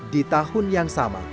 di tahun yang sama